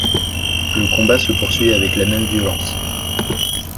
Le combat se poursuit avec la même violence.